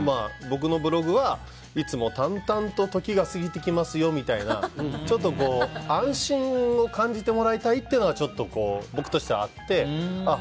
僕のブログは、いつも淡々と時が過ぎていきますよみたいなちょっと安心を感じてもらいたいっていうのが僕としてはあって。